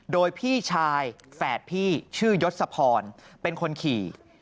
โดยพี่ชายแฝดพี่ชื่อยศพรเป็นคนขี่